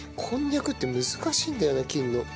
こんにゃくって難しいんだよね切るの。